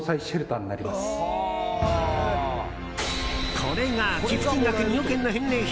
これが寄付金額２億円の返礼品。